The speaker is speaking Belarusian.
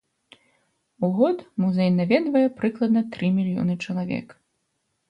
У год музей наведвае прыкладна тры мільёна чалавек.